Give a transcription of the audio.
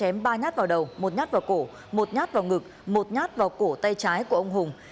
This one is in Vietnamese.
một nhát vào ngực một nhát vào cổ tay trái của ông hùng